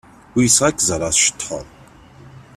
Uyseɣ ad k-ẓreɣ tceṭṭḥeḍ.